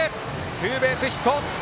ツーベースヒット。